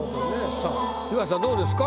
さぁ東さんどうですか？